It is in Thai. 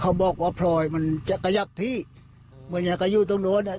เขาบอกว่าพลอยมันจะขยับที่เหมือนอยากจะอยู่ตรงนู้นอ่ะ